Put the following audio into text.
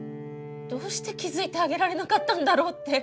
どうして気付いてあげられなかったんだろうって。